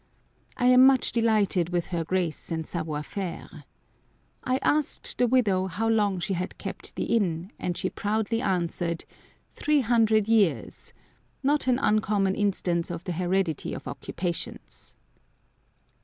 I am much delighted with her grace and savoir faire. I asked the widow how long she had kept the inn, and she proudly answered, "Three hundred years," not an uncommon instance of the heredity of occupations.